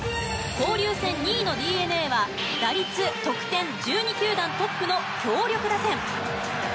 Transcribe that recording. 交流戦２位のＤｅＮＡは打率、得点１２球団トップの強力打線。